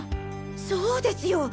そうですよ！